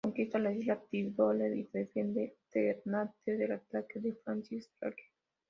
Conquista la isla de Tidore y defiende Ternate del ataque de Francis Drake.